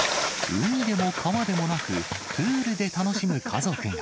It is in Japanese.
海でも川でもなく、プールで楽しむ家族が。